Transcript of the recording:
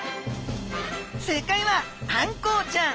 正解はあんこうちゃん！